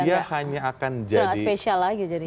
sudah nggak spesial lagi jadi